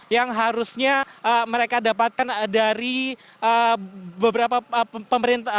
yang harusnya mereka dapatkan dari beberapa pemerintah